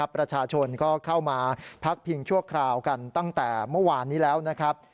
ประชาชนก็เข้ามาพักพิงชั่วคราวกันตั้งแต่เมื่อวานนี้แล้วนะครับ